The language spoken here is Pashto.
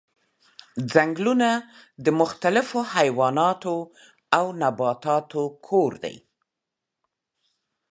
ځنګلونه د مختلفو حیواناتو او نباتاتو کور دي.